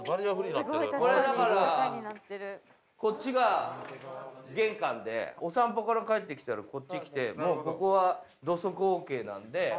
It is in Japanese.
これだからこっちが玄関でお散歩から帰ってきたらこっち来てもうここは。